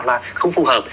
là không phù hợp